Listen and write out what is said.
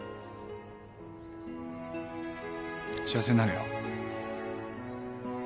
幸せになれよ。